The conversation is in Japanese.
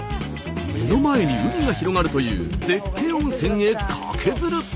目の前に海が広がるという絶景温泉へカケズる！